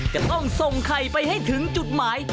จะต้องส่งไข่ไปให้ถึงจุดหมาย